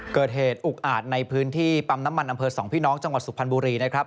อุกอาจในพื้นที่ปั๊มน้ำมันอำเภอสองพี่น้องจังหวัดสุพรรณบุรีนะครับ